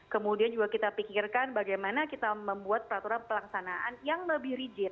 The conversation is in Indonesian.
kemudian juga kita pikirkan bagaimana kita membuat peraturan pelaksanaan yang lebih rigid